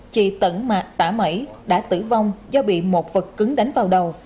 chị tẩn tả mẩy đã tử vong do bị một vật cứng đánh vào đầu